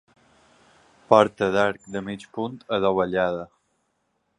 Porta d'arc de mig punt adovellada.